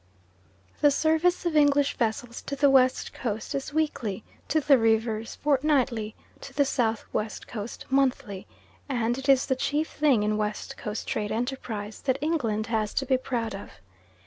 The service of English vessels to the West Coast is weekly; to the Rivers fortnightly; to the South west Coast monthly; and it is the chief thing in West Coast trade enterprise that England has to be proud of.